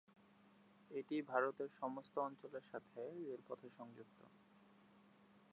এটি ভারতের সমস্ত অঞ্চলের সাথে রেলপথে সংযুক্ত।